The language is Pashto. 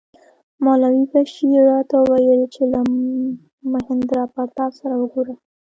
مولوي بشیر راته وویل چې له مهیندراپراتاپ سره وګوره.